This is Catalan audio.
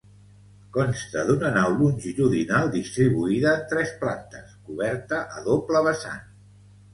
Consta d'una nau longitudinal distribuïda en tres plantes, coberta a doble vessant.